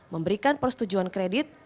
memberikan persetujuan kredit